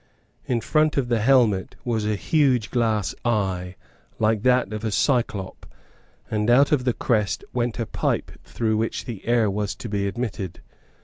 In front of the helmet was a huge glass eye like that of a cyclop; and out of the crest went a pipe through which the air was to be admitted.